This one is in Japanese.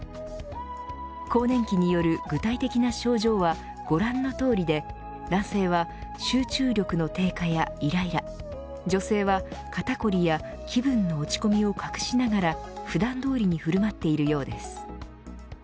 更年期による具体的な症状はご覧のとおりで男性は集中力の低下やいらいら女性は肩凝りや気分の落ち込みを隠しながら普段どおりに振る舞っているようです。